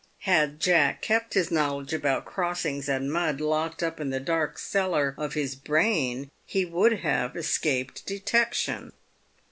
Had Jack kept his knowledge about crossings and mud locked up in the dark cellar of his brain, he would have escaped detection.